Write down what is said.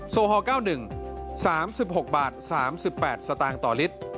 โอฮอล๙๑๓๖บาท๓๘สตางค์ต่อลิตร